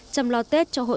chăm lo tết cho hội phụ nữ